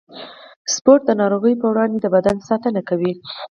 ورزش د نارغيو پر وړاندې د بدن ساتنه کوي.